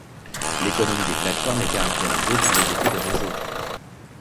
L'économie des plateformes est caractérisée par les effets de réseau.